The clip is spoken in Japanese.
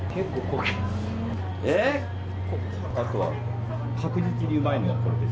あとは確実にうまいのはこれです。